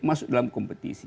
dia masuk dalam kompetisi